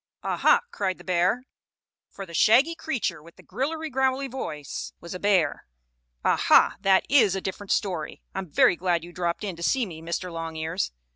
"Ah, ha!" cried the bear, for the shaggy creature with the grillery growlery voice was a bear. "Ah, ha! That is a different story. I am very glad you dropped in to see me, Mr. Longears.